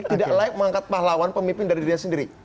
tidak layak mengangkat pahlawan pemimpin dari dirinya sendiri